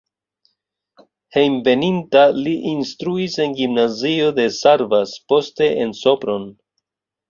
Hejmenveninta li instruis en gimnazio de Szarvas, poste en Sopron.